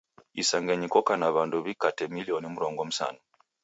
Isangenyi koka na w'andu w'ikate milioni mrongo msanu.